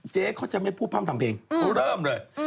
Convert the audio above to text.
เจ๊เขาจะไม่พูดพร่ำทำเพลงเขาเริ่มเลย